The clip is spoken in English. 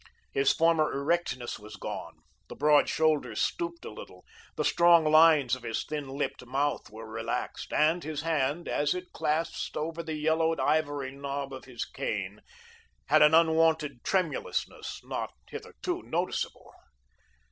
His former erectness was gone, the broad shoulders stooped a little, the strong lines of his thin lipped mouth were relaxed, and his hand, as it clasped over the yellowed ivory knob of his cane, had an unwonted tremulousness not hitherto noticeable.